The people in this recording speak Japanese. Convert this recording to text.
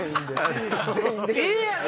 ええやんな？